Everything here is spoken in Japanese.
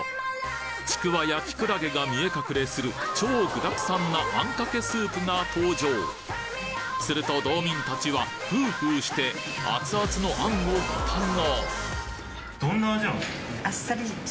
ちくわやキクラゲが見え隠れする超具だくさんなあんかけスープが登場すると道民たちはフーフーして熱々の餡をご堪能！